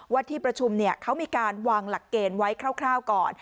ที่ประชุมเขามีการวางหลักเกณฑ์ไว้คร่าวก่อน